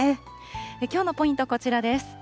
きょうのポイント、こちらです。